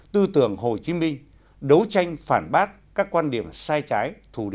tư tưởng hồ chí minh đấu tranh phản bác các quan điểm sai trái